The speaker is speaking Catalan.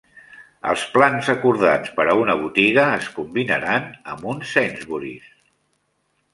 Els plans acordats per a una botiga es combinaran amb un Sainsbury's.